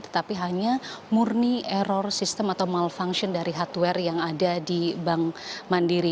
tetapi hanya murni error sistem atau malfunction dari hardware yang ada di bank mandiri